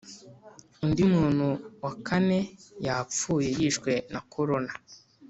Undi muntu wakane yapfuye yishwe na corona